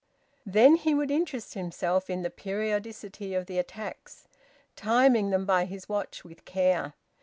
Then he would interest himself in the periodicity of the attacks, timing them by his watch with care.